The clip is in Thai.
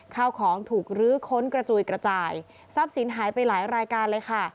ข้าวของถูกลื้อค้นกระจุยกระจายทรัพย์สินหายไปหลายรายการเลยค่ะ